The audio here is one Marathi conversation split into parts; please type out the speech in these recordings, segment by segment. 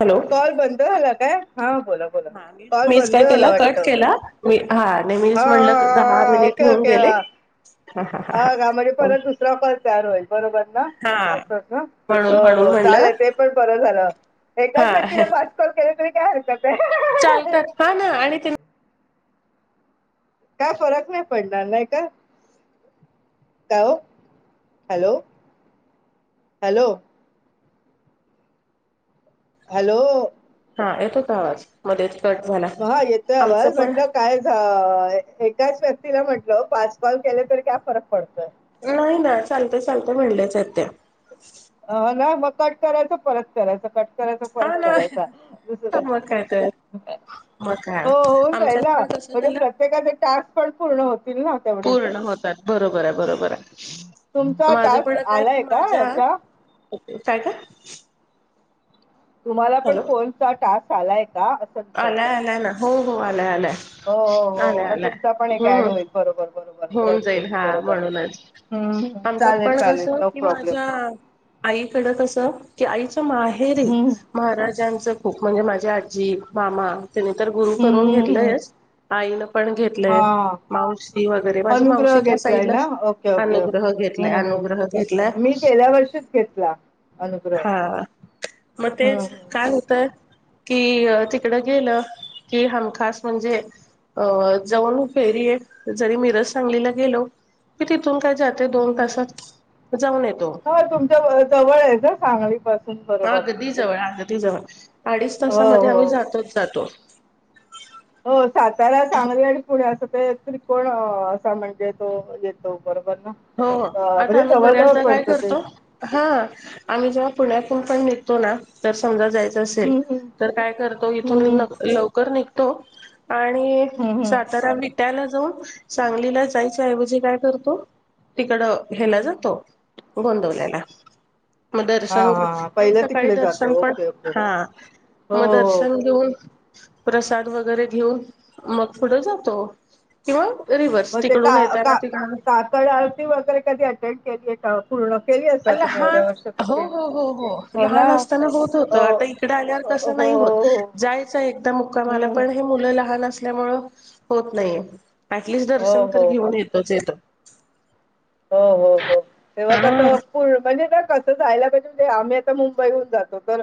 हॅलो कॉल बंद झाला काय हा बोला बोला हा कॉल मीच बंद काय केला झाला वाटत कट केला मी हा हा नेहमीच म्हणलं दहा मिनिट होऊन गेले हा हा हा अ घामध्ये हा परत दुसरा क तयार होयल बरोबर ना हा असंच ना म्हणून हो म्हणून हो म्हणलं चालेल ते पण बर झाल एकाच हा व्यक्तीला पाच कॉल केले तरी काय हरकत आहे चालतात हा ना आणि काय फरक नाही पडणार नाही का काय हॅलो हॅलो हॅलो हा येतो का आवाज मध्येच कट झाला ह येतोय आमचं आवाज पण म्हटलं काय झा एकाच तिला म्हंटलं पास पाॉल केले तर काय फरक पडतंय नाही ना चालतं चालतं म्हणलेच आहेत त्या अ नाही मग कट करायचं परत करायचं. कट करायचं हा परत ना करायचा दुसर तर मग काय तर. मग काय हो होऊन जाई आमच्यात ना पण कसं म्हणजे झालं प्रत्येकाचे टास्क पण पूर्ण होतील ना तेवढेच. पूर्ण होतात बरोबर आहे, बरोबर आहे. तुमचा माझ टास्क पण काय कि आलाय का माझ्या याचा ओके, काय ते? तुम्हाला पण फोनचा टास्क आलाय? का असं आलाय, विचारते आलाय ना, हो, हो आलाय, आलाय. हो, हो, हो आलाय मग आलाय तुमचा पण एक ऍड हम्म होईल बरोबर. बरोबर येस होऊन येस जाईल हा बरोबर म्हणूनच हम्म हम्म. आमच्यात चालेल पण चालेल कसं नो कि प्रॉब्लेम माझ्या आईकड कसं की आईच्या माहेरी हम्म महाराजांचं खूप म्हणजे माझी आजी, मामा त्यांनी तर गुरु हम्म करून हम्म हम्म घेतलंयच. आईनं पण घेतलंय. हा मावशी वगैरे माझ्या मावशी अनुग्रह त्या घेतलाय साईडला ना ओके ओके अनुग्रह घेतलाय, हम्म अनुग्रह घेतलाय. तिथंच घेतला अनुग्रह. हा मग हम्म तेच काय हम्म होतय कि तिकडं गेलं कि हमखास म्हणजे अ जाऊन फेरी आहे जरी मिरज सांगलीला गेलो तिथं तून काय जाते दोन हम्म तासात जाऊन येतो. हा तुमच्या जवळ आहे का सांगली पासून बरोबर अगदी जवळ हाय, अगदी जवळ. अडीच हो तासामध्ये हो आम्ही जातोच जातो. हो साताारा सांगली आणि कुणी अस ते त्रिकोण असा म्हणजे तो येतो बरोबर ना हो अ, आता म्हणजे आम्ही जवळ जवळ बऱ्याचदा काय पडतं ते करतो, हा आम्ही जेव्हा पुण्यातून पण निघतो ना तर समजा जायच असे हम्म हम्म तर काय करतो इथून हम्म हम्म लवकर निघतो आणि हम्म हम्म हम्म, सातारा विट्याला जाऊन सांगलीला जायच्याऐवजी काय करतो तिकड हेला हम्म. जातो गोंदवल्याला. मग हा दर्शन हा हा. आणि पहिलं सकाळी तिकडे दर्शन जातो पण ओके ओके हा हो मग हो दर्शन घेऊन प्रसाद वगैरे घेऊन मग पुढं जातो. किंवा रिव्हर्स मग ते तिकडून का, येताना का, तिकडून काकड आरती वगैरे कधी अटेंड केलीये का पूर्ण? केली असा तुम्ही लहान एवढ्या वर्षात हो, केली हो, हो, हो लहान असताना होत हो होतं. आता इकडे आल्यावर हो तसं हो नाही नाही हो होतं जायचं एकदा मुक्कामाला, हं, हं. पण हे मुलं लहान अस ल्यामुळ होत नाहीे. अऍटलिस्ट हो, दर्शन तर हो, हो. घेऊन येतोच येतो. हो, हो, हो. तेव्हा हा कसं होय म्हणजे ना कसं जायला म्हणजे आम्ही आता मुंबईहून जातो तर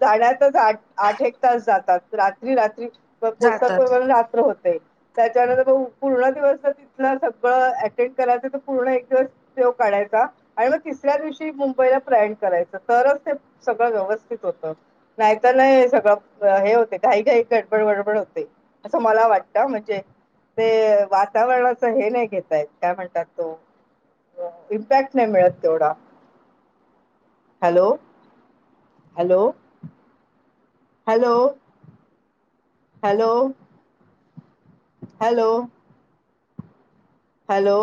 जाण्याचा जा आठ एक तास जातात. रात्री रात्री जातात. पोहचेपर्यंत रात्र होते. त्याच्यानंतर पूर्ण दिवस तर तिथलं सगळं अटेंड करायचं, तर पूर्ण एक दिवस तो काढायचा आणि मग तिसऱ्या दिवशी मुंबईला प्रयाण करायचं, तरच ते सगळं व्यवस्थित होत. नाही तर नाही सगळं हे होते काही काही गडबड गडबड होते, असं मला वाटतं. का म्हणजे ते वातावरणाचं हे नाही घेतायेत, काय म्हणतात तो इम्पॅक्ट नाही मिळत तेवढा. Hello, hello. Hello. Hello. Hello. Hello.